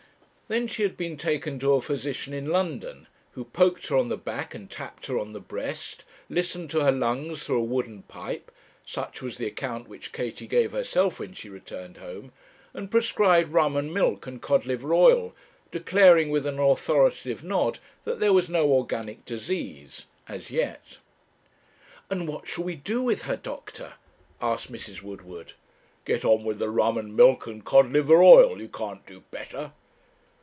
Then she had been taken to a physician in London, who poked her on the back and tapped her on the breast, listened to her lungs through a wooden pipe such was the account which Katie gave herself when she returned home and prescribed rum and milk and cod liver oil, declaring, with an authoritative nod, that there was no organic disease as yet. 'And what shall we do with her, doctor?' asked Mrs. Woodward. 'Go on with the rum and milk and cod liver oil, you can't do better.'